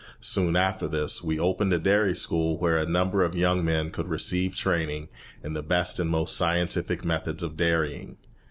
Soon after this, we opened a dairy school where a number of young men could receive training in the best and most scientific methods of dairying.